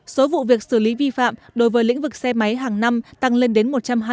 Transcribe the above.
số vụ việc xử lý vi phạm đối với lĩnh vực xe máy hàng năm tăng lên đến một trăm hai mươi